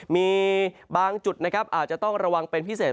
มีบางจุดนะครับอาจจะต้องระวังเป็นพิเศษ